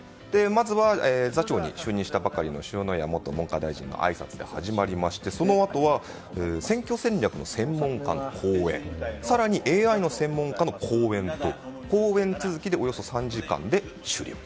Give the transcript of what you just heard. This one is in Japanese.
まずは座長に就任したばかりの塩谷元文科大臣のあいさつで始まりましてそのあと選挙戦略の専門家の講演更にＡＩの専門家の講演と講演続きでおよそ３時間で終了。